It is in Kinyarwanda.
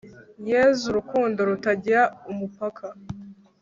yezu rukundo rutagira umupaka